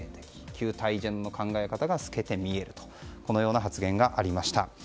旧態依然の考え方が透けて見えるとこのような発言がありました。